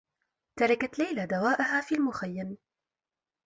تركت ليلى دواءها في المخيّم.